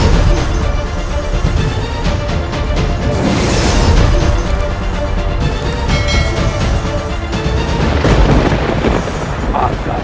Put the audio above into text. untuk membuatnya terakhir